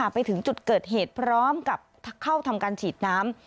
ไปถึงจุดเกิดเหตุพร้อมกับเข้าทำการฉีดน้ำ